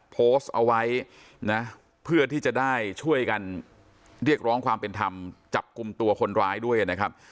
โพสต์เอาไว้นะเพื่อที่จะได้ช่วยกันเรียกร้องความเป็นธรรมจับกลุ่มตัวคนร้ายด้วยนะครับ